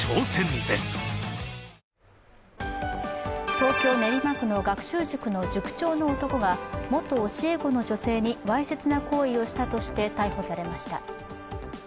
東京・練馬区の学習塾の塾長の男が、元教え子の女性にわいせつな行為をしたとして逮捕されました。